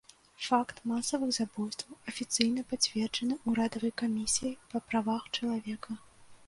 Факт масавых забойстваў афіцыйна пацверджаны ўрадавай камісіяй па правах чалавека.